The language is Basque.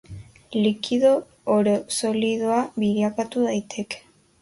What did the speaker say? Likido oro solidoa bilakatu daiteke.